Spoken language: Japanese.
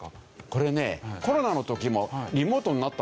これねコロナの時もリモートになったんですけど全部。